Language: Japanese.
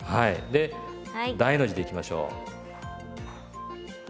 で大の字でいきましょう。